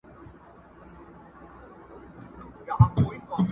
ورځ په خلوت کي تېروي چي تیاره وغوړېږي،